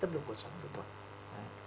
chất lượng cuộc sống của chúng tôi